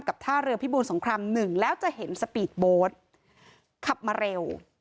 ท่าเรือพิบูรสงครามหนึ่งแล้วจะเห็นสปีดโบ๊ทขับมาเร็ว